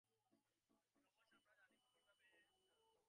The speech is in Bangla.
ক্রমশ আমরা জানিব, কিভাবে ইহাদ্বারা মন একাগ্র হয়।